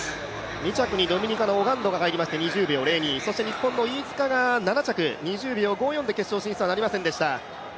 ２着にドミニカのオガンドが入りまして、２０秒０２、日本の飯塚が７着２０秒５４で決勝進出はなりませんでした。